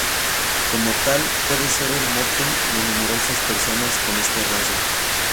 Como tal, puede ser el mote de numerosas personas con este rasgo.